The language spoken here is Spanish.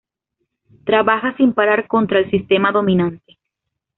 Trabaja sin parar contra el sistema dominante.